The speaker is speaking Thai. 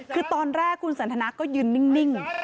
คือตอนแรกคุณสันทนาก็ยืนนิ่ง